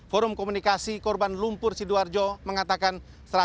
forum komunikasi korban lumpur sidoarjo mengatakan